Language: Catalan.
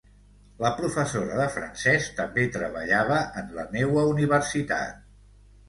La professora de francés també treballava en la meua Universitat.